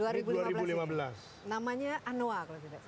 namanya anoa kalau tidak salah